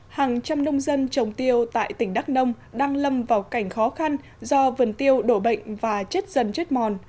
hàng trăm nông dân trồng tiêu tại tỉnh đắk nông đang lâm vào cảnh khó khăn do vườn tiêu đổ bệnh và chết dần chết mòn